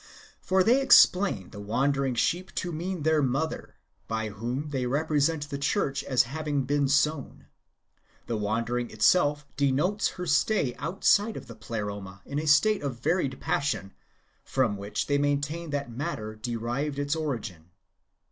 ^ For they explain the wandering sheep to mean their mother, by whom they represent the church as having been sown. The wandering itself denotes her stay outside of the Pleroma in a state of varied passion, from which they maintain that matter derived its origin.